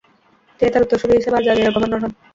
তিনি তার উত্তরসুরি হিসেবে আল-জাজিরার গভর্নর হয়।